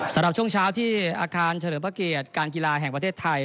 สำหรับช่วงเช้าที่อาคารเฉลิมพระเกียรติการกีฬาแห่งประเทศไทย